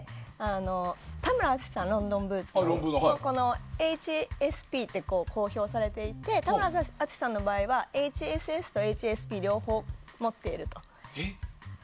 ロンドンブーツの田村淳さんはＨＳＰって公表されていて田村淳さんの場合はＨＳＳとＨＳＰ両方持っていると。